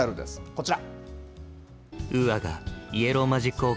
こちら。